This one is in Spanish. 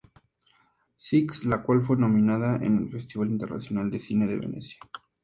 Six", la cual fue nominada en el Festival Internacional de Cine de Venecia.